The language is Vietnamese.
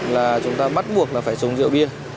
là chúng ta bắt buộc phải sử dụng rượu bia